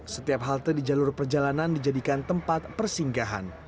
setiap halte di jalur perjalanan dijadikan tempat persinggahan